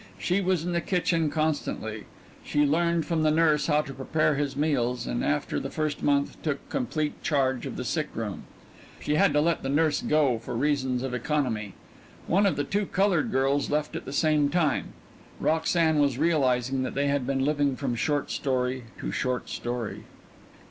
She was in the kitchen constantly. She learned from the nurse how to prepare his meals and after the first month took complete charge of the sick room. She had had to let the nurse go for reasons of economy. One of the two colored girls left at the same time. Roxanne was realizing that they had been living from short story to short story.